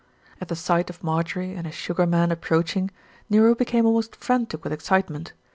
At the sight of Marjorie and his Sugar Man ap proaching, Nero became almost frantic with excite ment.